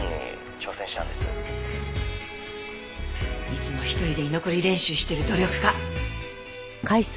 いつも一人で居残り練習してる努力家。